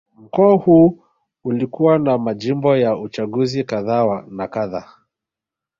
Mkoa huu ulikuwa na majimbo ya uchaguzi kadha na kadha